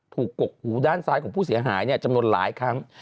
กกหูด้านซ้ายของผู้เสียหายจำนวนหลายครั้ง